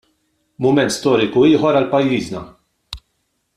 Mument storiku ieħor għal pajjiżna.